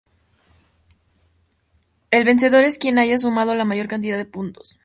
El vencedor es quien haya sumado la mayor cantidad de puntos.